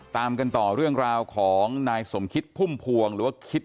ตามกันต่อเรื่องราวของนายสมคิดพุ่มพวงหรือว่าคิด